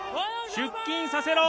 出勤させろ！